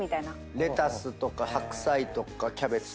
レタスとか白菜とかキャベツ。